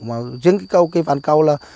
mà dưới cái cầu cây ván cầu là